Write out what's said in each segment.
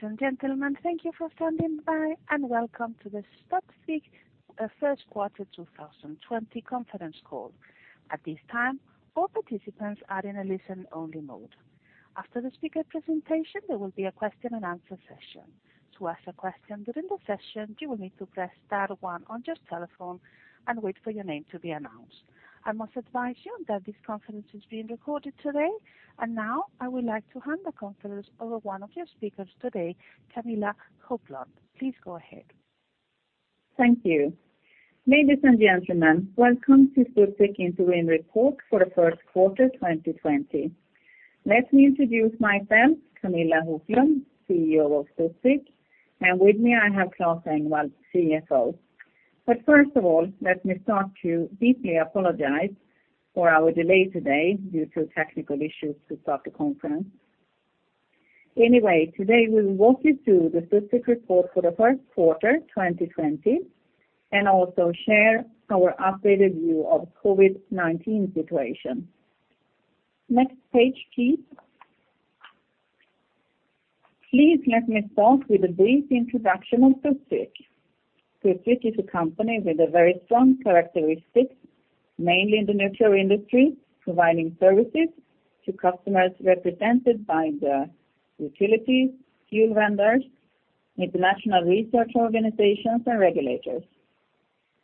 Ladies and gentlemen, thank you for standing by, welcome to the Studsvik First Quarter 2020 Conference Call. At this time, all participants are in a listen-only mode. After the speaker presentation, there will be a question-and-answer session. To ask a question during the session, you will need to press star one on your telephone and wait for your name to be announced. I must advise you that this conference is being recorded today. Now I would like to hand the conference over one of your speakers today, Camilla Hoflund. Please go ahead. Thank you. Ladies and gentlemen, welcome to Studsvik Interim Report for the first quarter 2020. Let me introduce myself, Camilla Hoflund, CEO of Studsvik, and with me I have Claes Engvall, CFO. First of all, let me start to deeply apologize for our delay today due to technical issues to start the conference. Anyway, today we will walk you through the Studsvik report for the first quarter 2020 and also share our updated view of COVID-19 situation. Next page, please. Please let me start with a brief introduction of Studsvik. Studsvik is a company with very strong characteristics, mainly in the nuclear industry, providing services to customers represented by the utilities, fuel vendors, international research organizations, and regulators.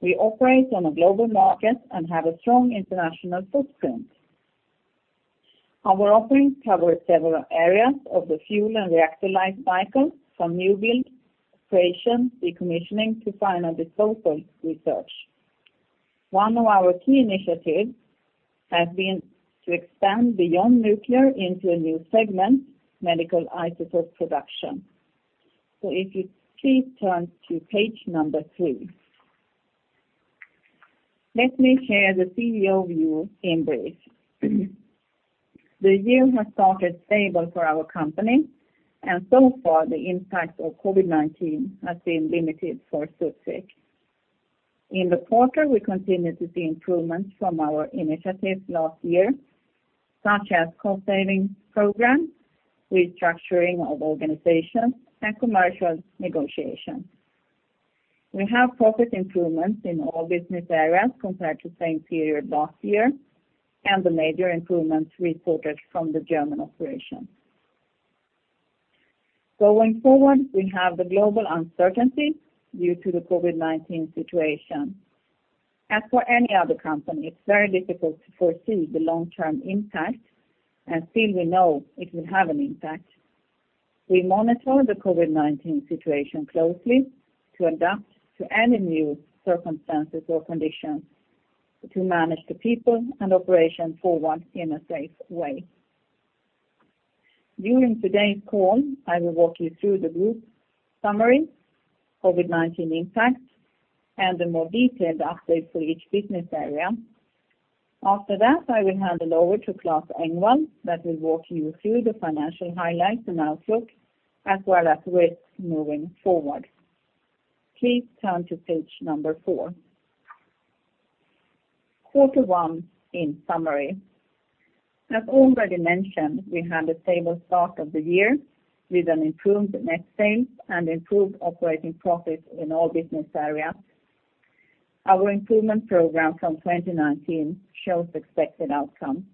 We operate on a global market and have a strong international footprint. Our offerings cover several areas of the fuel and reactor life cycle, from new build, operation, decommissioning, to final disposal research. One of our key initiatives has been to expand beyond nuclear into a new segment, medical isotope production. If you please turn to page number three. Let me share the CEO view in brief. The year has started stable for our company, and so far the impact of COVID-19 has been limited for Studsvik. In the quarter, we continue to see improvements from our initiatives last year, such as cost-savings programs, restructuring of organizations, and commercial negotiations. We have profit improvements in all business areas compared to same period last year, and the major improvements reported from the German operation. Going forward, we have the global uncertainty due to the COVID-19 situation. As for any other company, it's very difficult to foresee the long-term impact, and still we know it will have an impact. We monitor the COVID-19 situation closely to adapt to any new circumstances or conditions to manage the people and operation forward in a safe way. During today's call, I will walk you through the group summary, COVID-19 impact, and a more detailed update for each business area. After that, I will hand it over to Claes Engvall, that will walk you through the financial highlights and outlook, as well as risks moving forward. Please turn to page number four. Quarter one in summary. As already mentioned, we had a stable start of the year with an improved net sales and improved operating profit in all business areas. Our improvement program from 2019 shows expected outcome.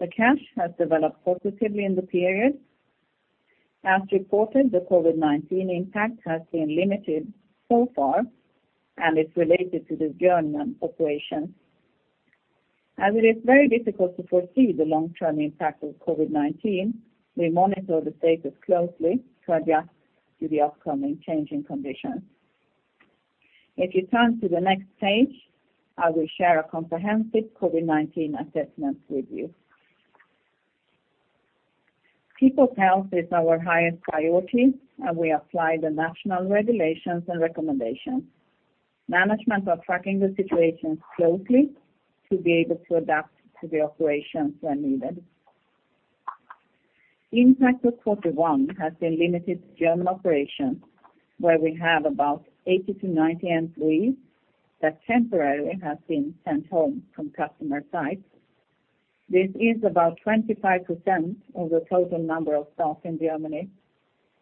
The cash has developed positively in the period. As reported, the COVID-19 impact has been limited so far and is related to the German operation. As it is very difficult to foresee the long-term impact of COVID-19, we monitor the status closely to adjust to the upcoming changing conditions. If you turn to the next page, I will share a comprehensive COVID-19 assessment with you. People's health is our highest priority, and we apply the national regulations and recommendations. Management are tracking the situation closely to be able to adapt to the operations when needed. Impact of quarter one has been limited to German operations, where we have about 80 to 90 employees that temporarily have been sent home from customer sites. This is about 25% of the total number of staff in Germany.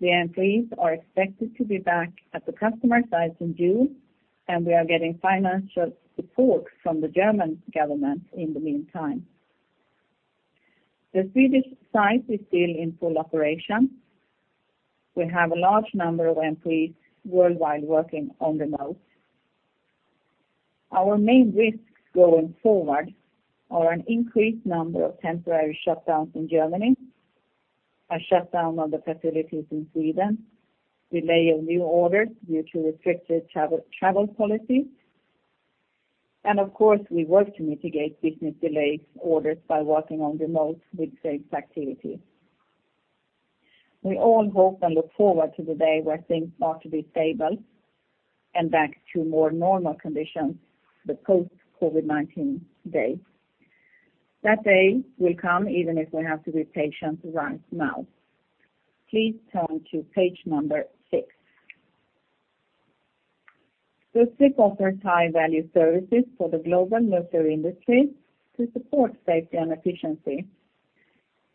The employees are expected to be back at the customer sites in June, and we are getting financial support from the German government in the meantime. The Swedish site is still in full operation. We have a large number of employees worldwide working on remote. Our main risks going forward are an increased number of temporary shutdowns in Germany, a shutdown of the facilities in Sweden, delay of new orders due to restricted travel policies, and of course, we work to mitigate business delayed orders by working on remote with sales activity. We all hope and look forward to the day where things start to be stable and back to more normal conditions, the post-COVID-19 days. That day will come even if we have to be patient right now. Please turn to page number six. Studsvik offers high-value services for the global nuclear industry to support safety and efficiency.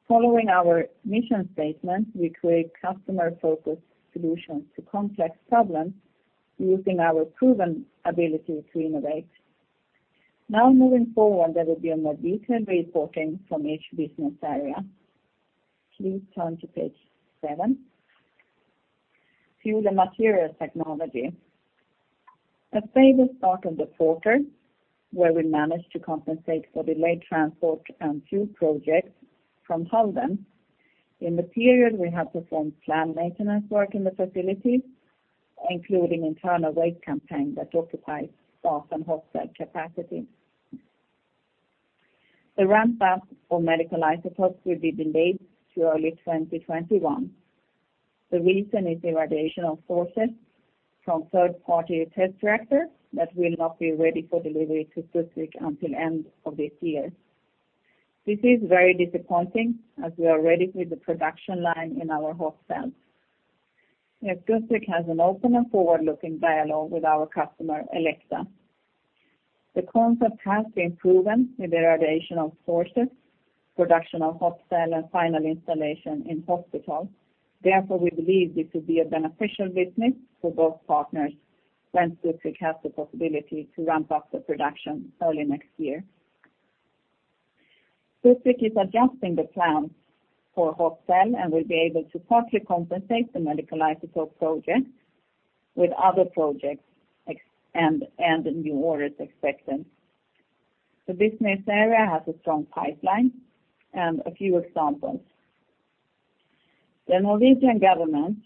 Following our initial statement we create customer-focused solutions to complex problems using our proven ability to innovate. Now, moving forward, there will be a more detailed reporting from each business area. Please turn to page seven. Fuel and Materials Technology. A stable start in the quarter, where we managed to compensate for delayed transport and fuel projects from Halden. In the period, we have performed planned maintenance work in the facilities, including Internal Rate Campaign that occupies staff and Hot Cell capacity. The ramp-up for medical isotopes will be delayed to early 2021. The reason is the irradiation of sources from third-party test reactor that will not be ready for delivery to Studsvik until end of this year. This is very disappointing as we are ready with the production line in our Hot Cell. Studsvik has an open and forward-looking dialogue with our customer, Elekta. The concept has been proven [inaudible] We believe this will be a beneficial business for both partners when Studsvik has the possibility to ramp up the production early next year. Studsvik is adjusting the plans for hot cell and will be able to partly compensate the medical isotope project with other projects and the new orders expected. The business area has a strong pipeline and a few examples. The Norwegian government,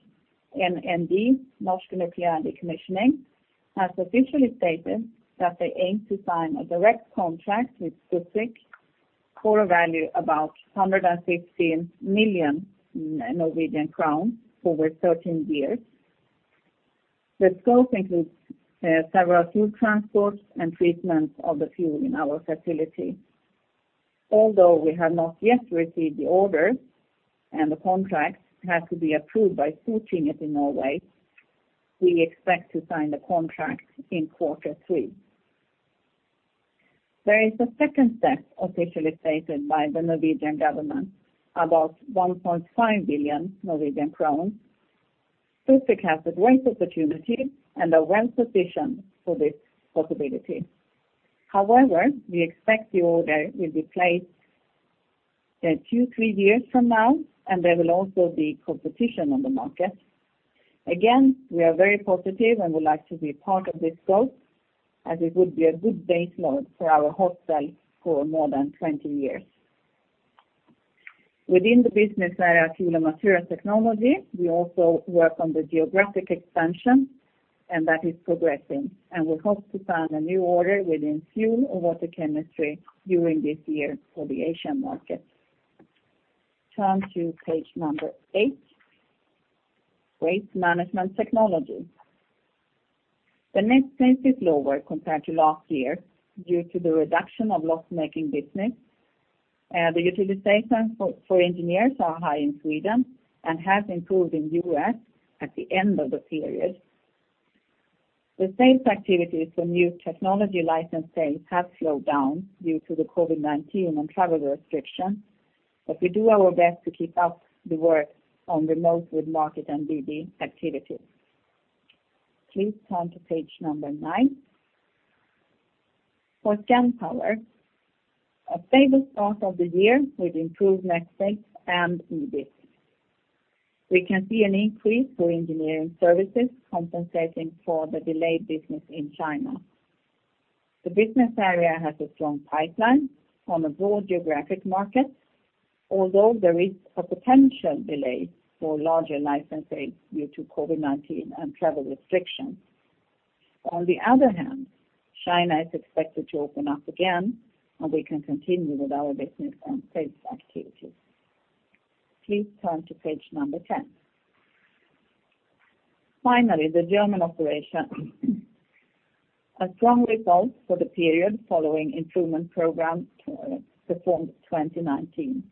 NND, Norsk nukleær dekommisjonering, has officially stated that they aim to sign a direct contract with Studsvik for a value about 115 million Norwegian crowns over 13 years. The scope includes several fuel transports and treatment of the fuel in our facility. Although we have not yet received the order and the contract has to be approved by Stortinget in Norway, we expect to sign the contract in quarter three. There is a second step officially stated by the Norwegian government about 1.5 billion Norwegian crowns. Studsvik has a great opportunity and are well-positioned for this possibility. However, we expect the order will be placed two, three years from now, and there will also be competition on the market. Again, we are very positive and would like to be part of this scope, as it would be a good baseline for our hot cell for more than 20 years. Within the business area fuel and materials technology, we also work on the geographic expansion, and that is progressing, and we hope to sign a new order within fuel or water chemistry during this year for the Asian market. Turn to page number eight, waste management technology. The net sales is lower compared to last year due to the reduction of loss-making business. The utilization for engineers are high in Sweden and have improved in U.S. at the end of the period. The sales activities for new technology license sales have slowed down due to the COVID-19 and travel restrictions, but we do our best to keep up the work on remote with market and BD activities. Please turn to page number nine. For Studsvik Scandpower, a stable start of the year with improved net sales and EBIT. We can see an increase for engineering services compensating for the delayed business in China. The business area has a strong pipeline from a broad geographic market, although there is a potential delay for larger license sales due to COVID-19 and travel restrictions. On the other hand, China is expected to open up again, and we can continue with our business and sales activities. Please turn to page 10. Finally, the German operation. A strong result for the period following improvement program performed 2019.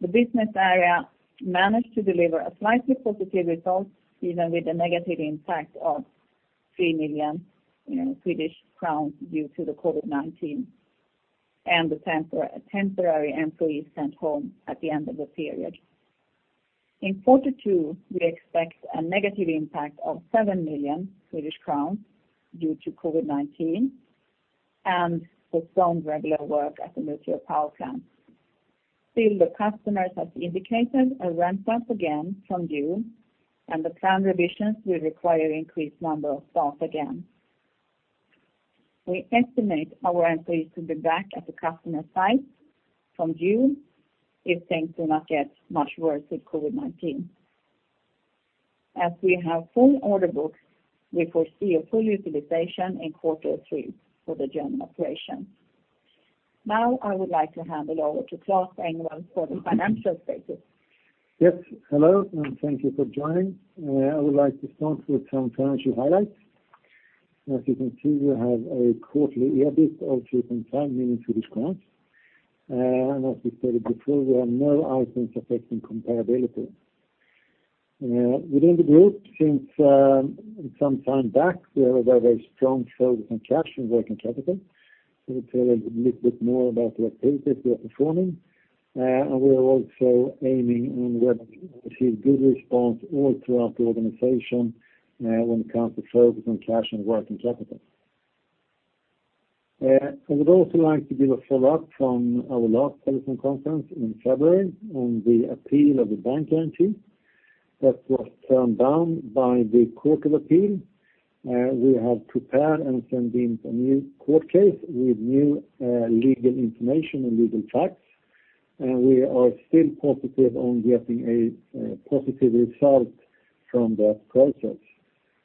The business area managed to deliver a slightly positive result, even with a negative impact of 3 million due to the COVID-19 and the temporary employees sent home at the end of the period. In quarter two, we expect a negative impact of 7 million Swedish crowns due to COVID-19 and the strong regular work at the nuclear power plant. The customers have indicated a ramp up again from June, and the planned revisions will require increased number of staff again. We estimate our employees to be back at the customer site from June if things do not get much worse with COVID-19. As we have full order books, we foresee a full utilization in quarter 3 for the German operations. I would like to hand it over to Claes Engvall for the financial status. Yes. Hello, and thank you for joining. I would like to start with some financial highlights. As you can see, we have a quarterly EBIT of 3.5 million. As we said it before, there are no items affecting comparability. Within the group since some time back, we have a very strong focus on cash and working capital. We'll tell a little bit more about the activities we are performing. We are also aiming and we have received good response all throughout the organization when it comes to focus on cash and working capital. I would also like to give a follow-up from our last telephone conference in February on the appeal of the bank guarantee that was turned down by the Court of Appeal. We have prepared and sent in a new court case with new legal information and legal facts, and we are still positive on getting a positive result from that process.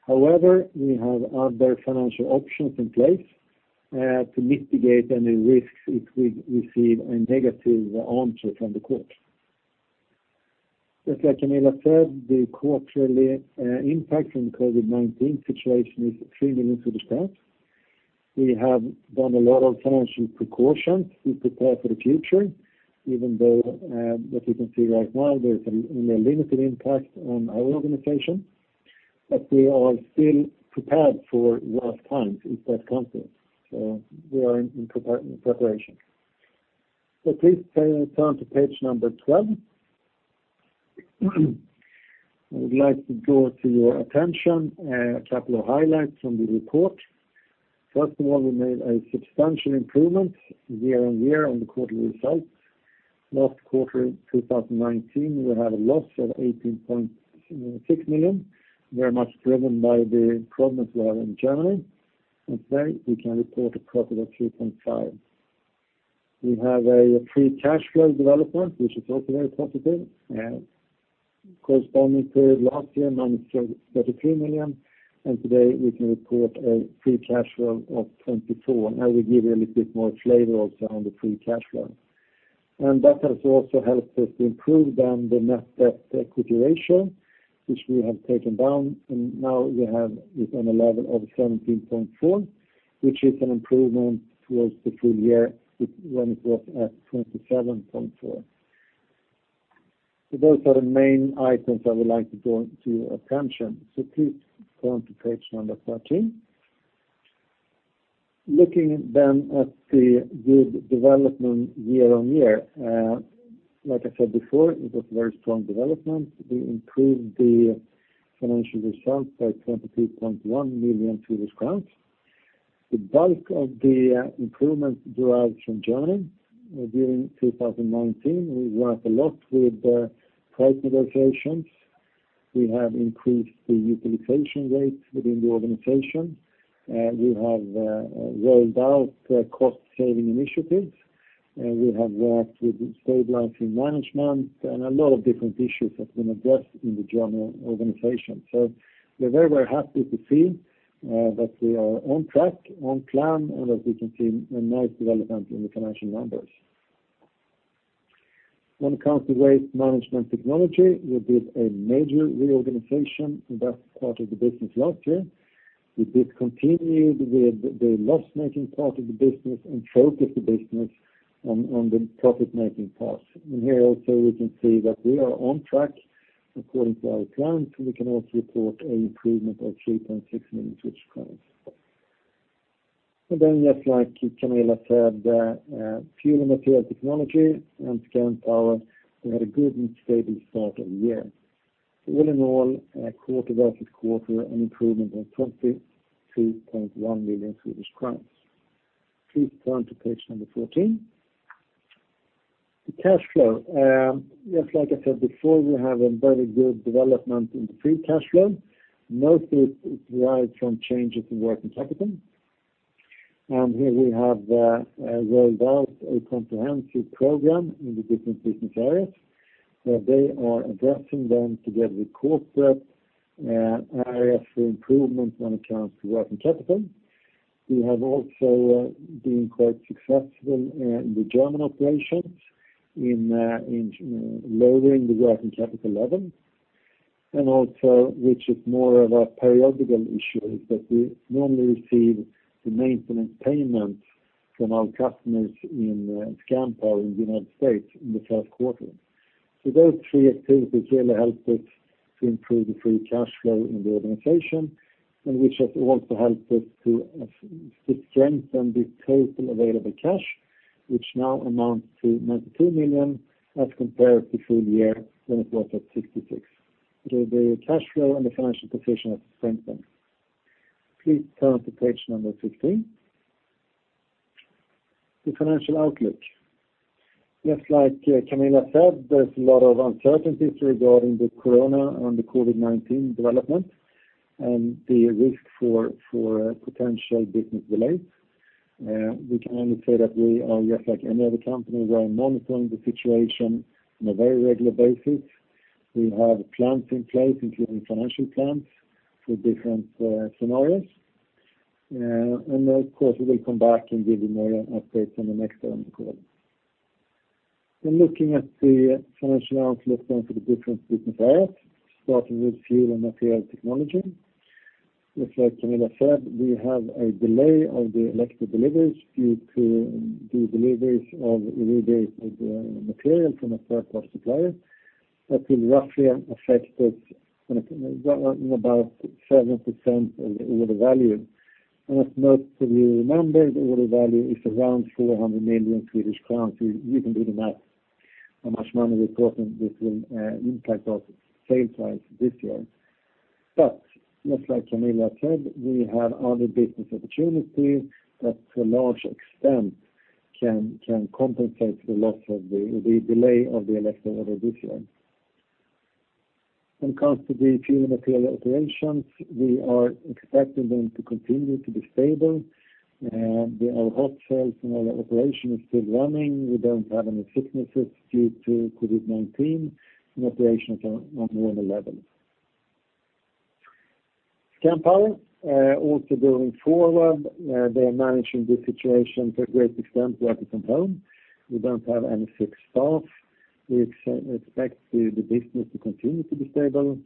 However, we have other financial options in place to mitigate any risks if we receive a negative answer from the court. Just like Camilla said, the quarterly impact from COVID-19 situation is SEK 3 million. We have done a lot of financial precautions to prepare for the future, even though what we can see right now, there is a limited impact on our organization, but we are still prepared for worse times if that comes to it. We are in preparation. Please turn to page number 12. I would like to draw to your attention a couple of highlights from the report. First of all, we made a substantial improvement year-on-year on the quarterly results. Last quarter in 2019, we had a loss of 18.6 million, very much driven by the problems we had in Germany. Today we can report a profit of 3.5 million. We have a free cash flow development, which is also very positive. Corresponding period last year, minus 33 million. Today we can report a free cash flow of 24 million. I will give you a little bit more flavor also on the free cash flow. That has also helped us to improve then the net debt equity ratio, which we have taken down. Now we have it on a level of 17.4%, which is an improvement towards the full year when it was at 27.4%. Those are the main items I would like to draw to your attention. Please go on to page number 13. Looking then at the good development year-on-year. Like I said before, it was very strong development. We improved the financial results by 23.1 million. The bulk of the improvement derives from Germany. During 2019, we worked a lot with price negotiations. We have increased the utilization rates within the organization. We have rolled out cost saving initiatives. We have worked with stabilizing management and a lot of different issues have been addressed in the German organization. We are very, very happy to see that we are on track, on plan, and that we can see a nice development in the financial numbers. When it comes to waste management technology, we did a major reorganization in that part of the business last year. We discontinued the loss-making part of the business and focused the business on the profit-making parts. Here also we can see that we are on track according to our plans, and we can also report a improvement of 3.6 million. Then just like Camilla Hoflund said, the fuel and materials technology and Studsvik Scandpower, we had a good and stable start of the year. All in all, quarter-over-quarter, an improvement of 23.1 million Swedish crowns. Please turn to page number 14. The free cash flow. Just like I said before, we have a very good development in the free cash flow, mostly derived from changes in working capital. Here we have rolled out a comprehensive program in the different business areas. They are addressing them together with corporate areas for improvement when it comes to working capital. We have also been quite successful in the German operations in lowering the working capital level. Also, which is more of a periodical issue, is that we normally receive the maintenance payments from our customers in Studsvik Scandpower in the U.S. in the first quarter. Those three activities really helped us to improve the free cash flow in the organization, which has also helped us to strengthen the total available cash, which now amounts to 92 million as compared to full year when it was at 66. The cash flow and the financial position has strengthened. Please turn to page number 15. The financial outlook. Just like Camilla said, there's a lot of uncertainties regarding the COVID-19 development and the risk for potential business delays. We can only say that we are just like any other company, we are monitoring the situation on a very regular basis. We have plans in place, including financial plans for different scenarios. Of course, we will come back and give you more updates on the next earnings call. Looking at the financial outlook then for the different business areas, starting with fuel and materials technology. Just like Camilla said, we have a delay of the Elekta deliveries due to the deliveries of irradiated material from a third-party supplier that will roughly affect us in about 7% of the order value. If most of you remember, the order value is around 400 million Swedish crowns. You can do the math, how much money we're talking, this will impact our sales price this year. Just like Camilla said, we have other business opportunities that to a large extent can compensate the delay of the Elekta order this year. When it comes to the fuel materials operations, we are expecting them to continue to be stable. Our hot cells and our operation is still running. We don't have any sicknesses due to COVID-19, and operations are on normal levels. Scanpower, also going forward, they are managing the situation to a great extent, working from home. We don't have any sick staff. We expect the business to continue to be stable,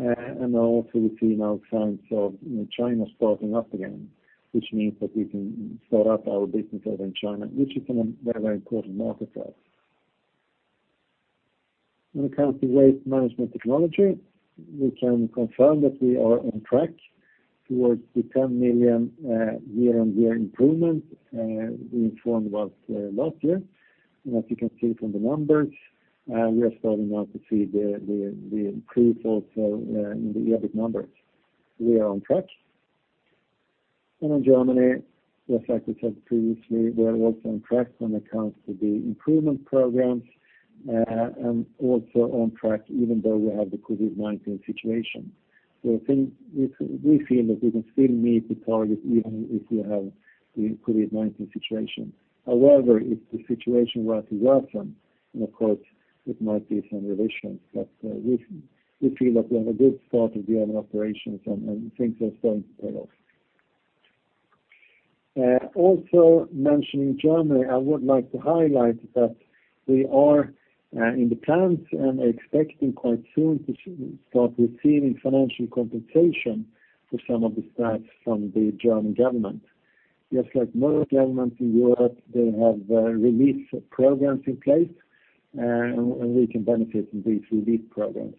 and also we've seen our signs of China starting up again, which means that we can start up our business over in China, which is a very important market for us. When it comes to waste management technology, we can confirm that we are on track towards the 10 million year-on-year improvement we informed about last year. As you can see from the numbers, we are starting now to see the increase also in the EBIT numbers. We are on track. In Germany, just like we said previously, we are also on track when it comes to the improvement programs, and also on track even though we have the COVID-19 situation. We feel that we can still meet the target even if we have the COVID-19 situation. However, if the situation were to worsen, then of course there might be some revisions. We feel that we have a good start of the German operations, and things are starting to pay off. Also mentioning Germany, I would like to highlight that we are in the plans and expecting quite soon to start receiving financial compensation for some of the staff from the German government. Just like most governments in Europe, they have relief programs in place, and we can benefit from these relief programs.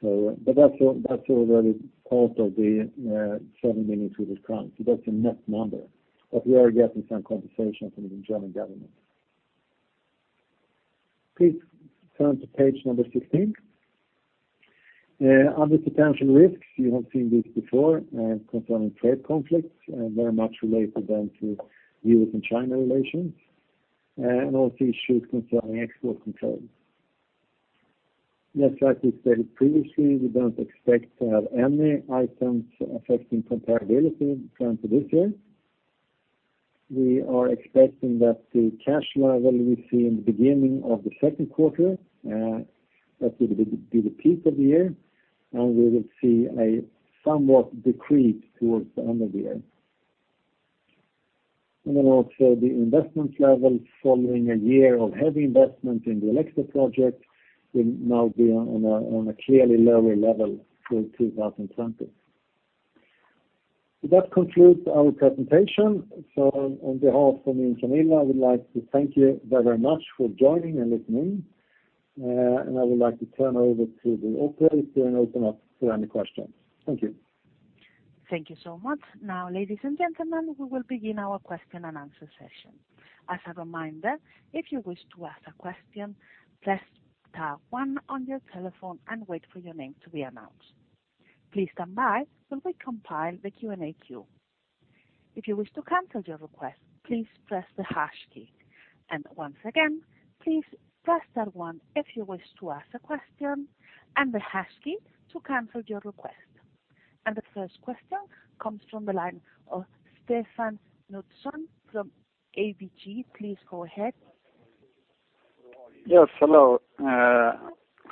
That's already part of the 7 million, so that's a net number. We are getting some compensation from the German government. Please turn to page number 15. Under potential risks, you have seen this before, concerning trade conflicts, very much related then to U.S. and China relations, and also issues concerning export controls. Just like we stated previously, we don't expect to have any items affecting comparability when it comes to this year. We are expecting that the cash level we see in the beginning of the second quarter, that will be the peak of the year, and we will see a somewhat decrease towards the end of the year. Then also the investment level following a year of heavy investment in the Elekta project will now be on a clearly lower level through 2020. That concludes our presentation. On behalf of me and Camilla Hoflund, I would like to thank you very much for joining and listening, and I would like to turn over to the operator and open up for any questions. Thank you. Thank you so much. Now, ladies and gentlemen, we will begin our question-and-answer session. As a reminder, if you wish to ask a question, press star one on your telephone and wait for your name to be announced. Please stand by while we compile the Q&A queue. If you wish to cancel your request, please press the hash key. Once again, please press star one if you wish to ask a question, and the hash key to cancel your request. The first question comes from the line of Stefan Knutsson from ABG. Please go ahead. Yes, hello.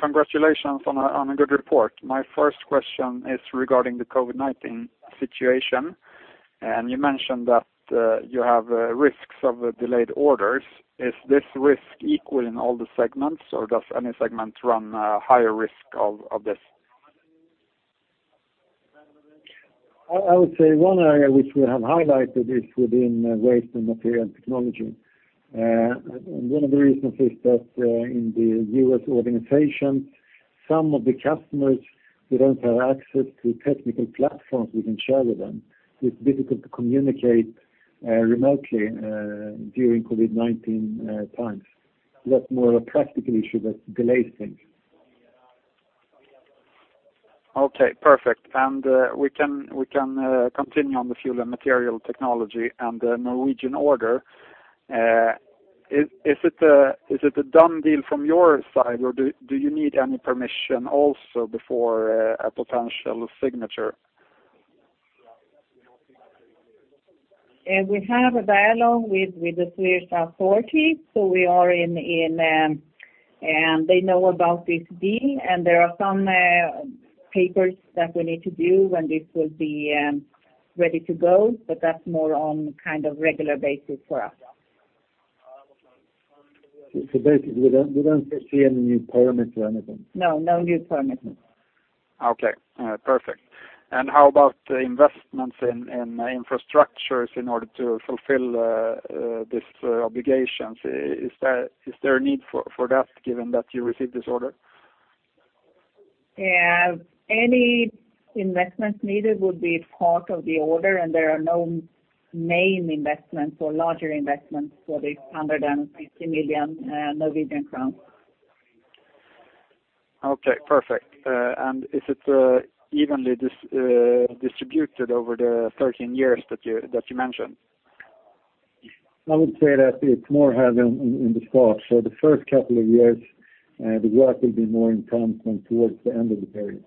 Congratulations on a good report. My first question is regarding the COVID-19 situation. You mentioned that you have risks of delayed orders. Is this risk equal in all the segments, or does any segment run a higher risk of this? I would say one area which we have highlighted is within waste and material technology. One of the reasons is that in the U.S. organization, some of the customers, we don't have access to technical platforms we can share with them. It's difficult to communicate remotely during COVID-19 times. That's more a practical issue that delays things. Okay, perfect. We can continue on the fuel and materials technology and the Norwegian order. Is it a done deal from your side, or do you need any permission also before a potential signature? We have a dialogue with the Swedish authorities. They know about this deal. There are some papers that we need to do. This will be ready to go. That's more on kind of regular basis for us. Basically, we don't see any new permits or anything? No, no new permits. Okay, perfect. How about the investments in infrastructures in order to fulfill these obligations? Is there a need for that given that you received this order? Any investments needed would be part of the order, and there are no main investments or larger investments for this 115 million Norwegian crown. Okay, perfect. Is it evenly distributed over the 13 years that you mentioned? I would say that it's more heavy in the start. The first couple of years, the work will be more intense than towards the end of the period.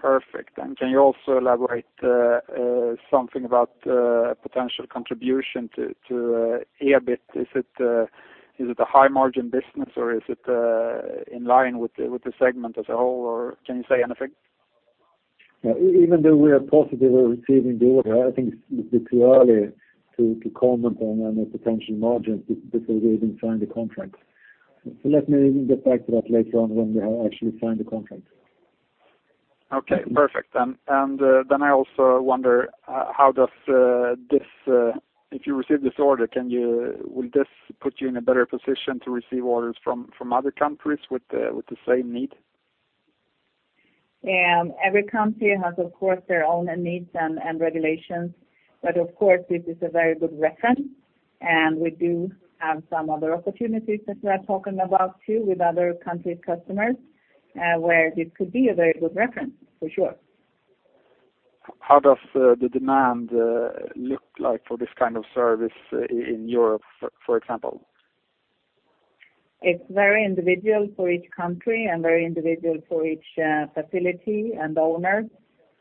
Perfect. Can you also elaborate something about potential contribution to EBIT? Is it a high margin business or is it in line with the segment as a whole, or can you say anything? Even though we are positive we're receiving the order, I think it's a bit too early to comment on any potential margins because we haven't signed the contract. Let me get back to that later on when we have actually signed the contract. Okay, perfect. I also wonder, if you receive this order, will this put you in a better position to receive orders from other countries with the same need? Every country has, of course, their own needs and regulations, but of course, this is a very good reference, and we do have some other opportunities that we are talking about too with other country's customers, where this could be a very good reference for sure. How does the demand look like for this kind of service in Europe, for example? It's very individual for each country and very individual for each facility and owner,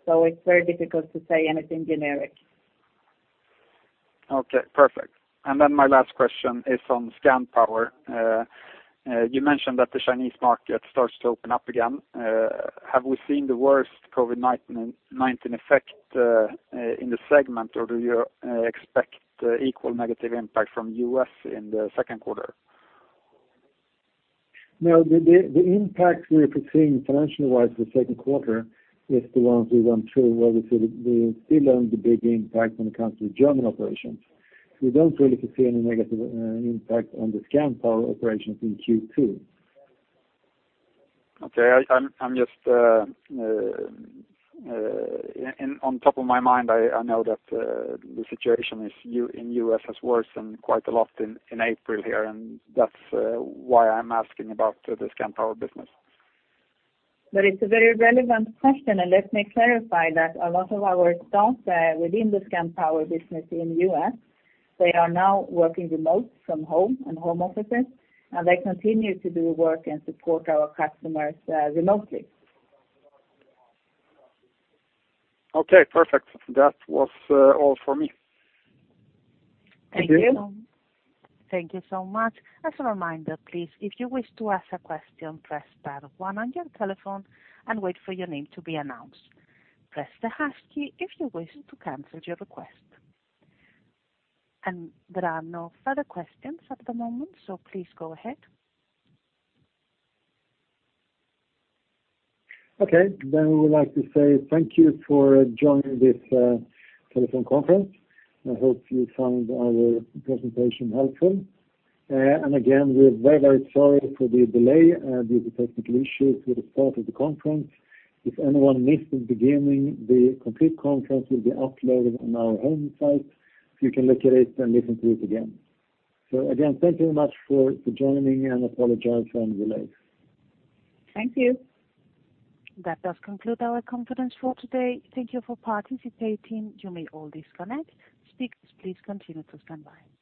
so it's very difficult to say anything generic. Okay, perfect. My last question is on Scandpower. You mentioned that the Chinese market starts to open up again. Have we seen the worst COVID-19 effect in the segment, or do you expect equal negative impact from U.S. in the second quarter? The impact we're foreseeing financial-wise for the second quarter is the ones we went through, where we feel we still own the big impact when it comes to German operations. We don't really foresee any negative impact on the Scanpower operations in Q2. Okay. On top of my mind, I know that the situation in U.S. has worsened quite a lot in April here. That's why I'm asking about the Scandpower business. It's a very relevant question, and let me clarify that a lot of our staff within the Scanpower business in U.S., they are now working remote from home and home offices, and they continue to do work and support our customers remotely. Okay, perfect. That was all for me. Thank you so- Thank you. Thank you so much. As a reminder, please, if you wish to ask a question, press star one on your telephone and wait for your name to be announced. Press the hash key if you wish to cancel your request. There are no further questions at the moment, please go ahead. Okay. We would like to say thank you for joining this telephone conference, and I hope you found our presentation helpful. Again, we're very sorry for the delay due to technical issues with the start of the conference. If anyone missed the beginning, the complete conference will be uploaded on our home site. You can look at it and listen to it again. Again, thank you very much for joining and apologize for any delays. Thank you. That does conclude our conference for today. Thank you for participating. You may all disconnect. Speakers, please continue to stand by.